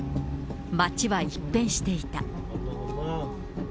町は一変していた。